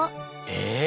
え。